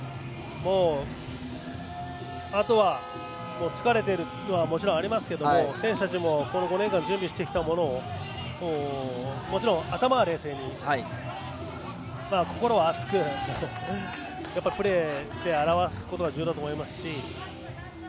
あとは疲れているのはもちろんありますけども選手たちも、この５年間準備してきたものをもちろん頭は冷静に心は熱く、プレーで表すことが重要だと思いますし。